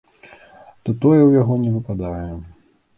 То тое ў яго не выпадае.